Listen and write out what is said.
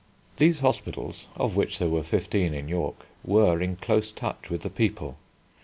These hospitals, of which there were fifteen in York, were in close touch with the people.